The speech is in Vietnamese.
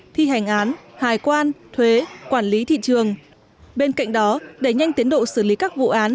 thi hành án hài quan thuế quản lý thị trường bên cạnh đó đẩy nhanh tiến độ xử lý các vụ án